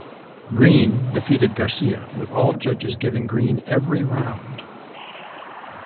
Green defeated Garcia with all judges giving Green every round.